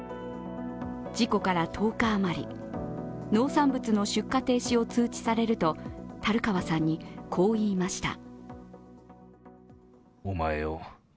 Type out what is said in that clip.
事故から１０日余り、農産物の出荷停止を通知されると樽川さんに、こう言いました。